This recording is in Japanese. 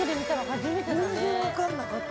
◆全然分かんなかった。